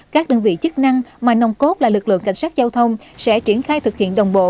các đơn vị chức năng mà nông cốt là lực lượng cảnh sát giao thông sẽ triển khai thực hiện đồng bộ